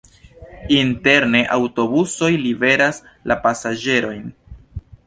Interne aŭtobusoj liveras la pasaĝerojn.